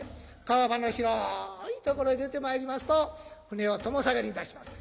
川幅の広いところへ出てまいりますと船はとも下がりいたします。